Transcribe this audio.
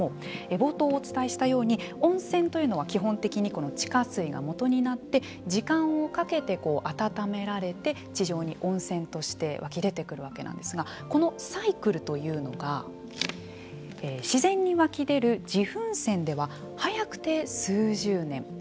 冒頭お伝えしたように温泉というのは基本的に地下水がもとになって時間をかけて温められて地上に温泉として湧き出てくるわけなんですがこのサイクルというのが自然に湧き出る自噴泉では早くて数十年。